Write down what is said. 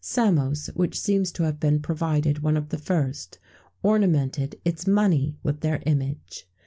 Samos, which seems to have been provided one of the first, ornamented its money with their image.